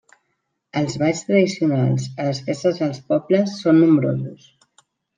Els balls tradicionals a les festes dels pobles són nombrosos.